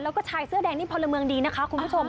แล้วก็ชายเสื้อแดงนี่พลเมืองดีนะคะคุณผู้ชม